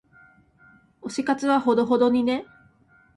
推し活はほどほどにね。